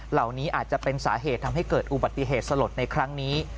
เหล่านี้อาจจะเป็นสาเหตุทำให้เกิดอุบัติเหตุสลดในครั้งนี้